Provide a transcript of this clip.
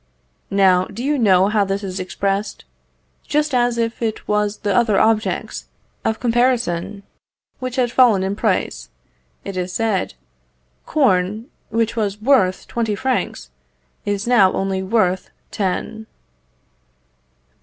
Now, do you know how this is expressed? Just as if it was the other objects of comparison which had fallen in price, it is said, "Corn, which was worth twenty francs, is now only worth ten."